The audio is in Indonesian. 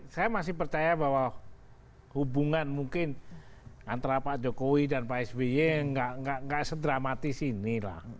saya masih percaya bahwa hubungan mungkin antara pak jokowi dan pak sby nggak sedramatis ini lah